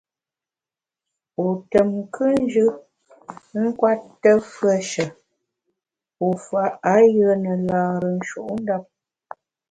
Wu tùm nkùnjù nkwete fùeshe wu fa ayùe ne lâre nshutndap.